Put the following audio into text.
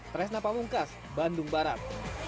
tresna pamungkas bandung barat